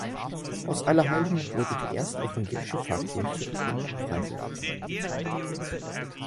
Aus Allerheiligen wurde die erste evangelische Pfarrkirche in Freiburg.